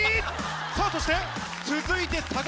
さぁそして続いて。